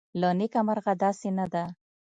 له نیکه مرغه داسې نه ده